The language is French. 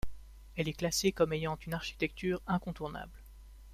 Elle est classée comme ayant une architecture incontournable.